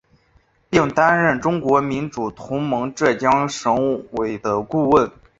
并担任中国民主同盟浙江省委的顾问。